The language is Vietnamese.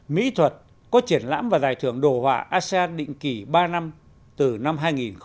mỹ thuật có triển lãm và giải thưởng đồ họa asean định kỳ ba năm từ năm hai nghìn một mươi